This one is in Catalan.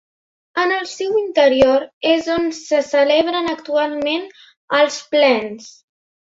En el seu interior és on se celebren actualment els plens.